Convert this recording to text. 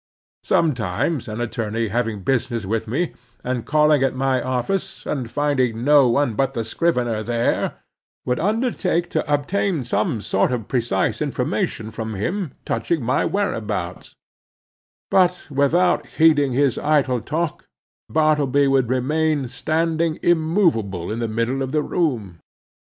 Sometimes an attorney having business with me, and calling at my office and finding no one but the scrivener there, would undertake to obtain some sort of precise information from him touching my whereabouts; but without heeding his idle talk, Bartleby would remain standing immovable in the middle of the room.